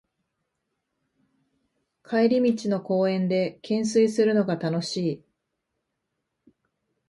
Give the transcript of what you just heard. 帰り道の公園でけんすいするのが楽しい